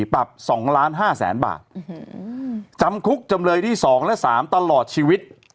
ปรับ๒ล้าน๕แสนบาทจำคุกจำเลยที่๒และ๓ตลอดชีวิต